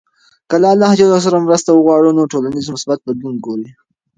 که له الله ج سره مرسته وغواړو، نو ټولنیز مثبت بدلون ګورﻱ.